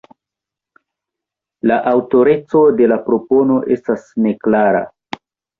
La aŭtoreco de la propono estas neklara.